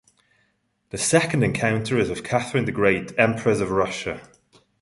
The second encounter is with Catherine the Great, Empress of Russia.